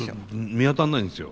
見当たんないんですよ。